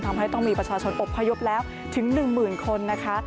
ทำให้ต้องมีประชาชนอบพยพแล้วถึง๑๐๐๐คนนะคะ